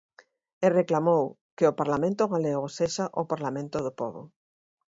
E reclamou: Que o Parlamento Galego sexa o Parlamento do Pobo.